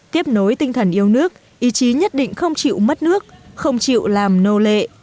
tiếp nối tinh thần yêu nước ý chí nhất định không chịu mất nước không chịu làm nô lệ